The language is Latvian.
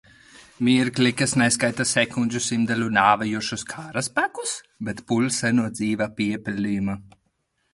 Mirklī, kas neskaita sekunžu simtdaļu nāvējošos karaspēkus, bet pulsē no dzīva piepildījuma.